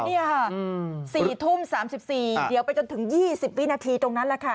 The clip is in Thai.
นี่ค่ะ๔ทุ่ม๓๔เดี๋ยวไปจนถึง๒๐วินาทีตรงนั้นแหละค่ะ